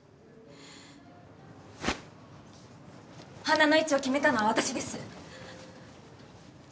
花の位置を決めたのは私です！